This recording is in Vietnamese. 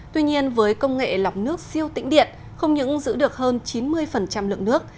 tuy nhiên với công nghệ lọc nước siêu tĩnh điện không những giữ được hơn chín mươi lượng nước